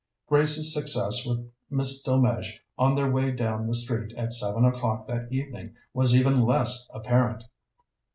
Grace's success with Miss Delmege on their way down the street at seven o'clock that evening, was even less apparent.